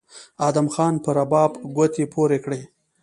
ادم خان په رباب ګوتې پورې کړې